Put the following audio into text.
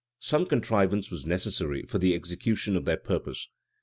Some contrivance was necessary for the execution of their purpose.